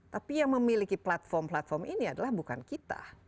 tapi yang memiliki platform platform ini adalah bukan kita